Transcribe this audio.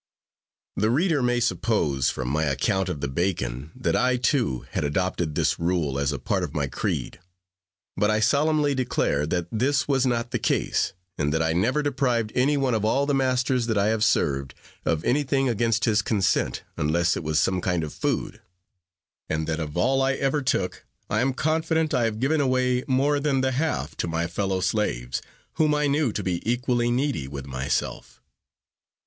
The reader may suppose, from my account of the bacon, that I, too, had adopted this rule as a part of my creed; but I solemnly declare, that this was not the case, and that I never deprived any one of all the masters that I have served, of anything against his consent, unless it was some kind of food; and that of all I ever took, I am confident, I have given away more than the half to my fellow slaves, whom I knew to be equally needy with myself.